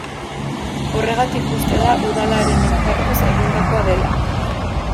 Horregatik uste da udalaren enkarguz egindakoa dela.